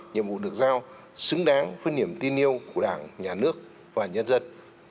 nhiệm vụ được giao xứng đáng với niềm tin yêu của đảng nhà nước và nhân dân